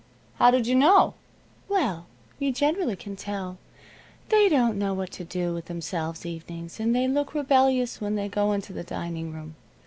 "How did you know?" "Well, you generally can tell. They don't know what to do with themselves evenings, and they look rebellious when they go into the dining room.